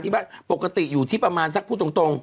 บ้านปกติอยู่ที่ประมาณสักพูดตรง